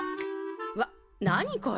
わっ何これ。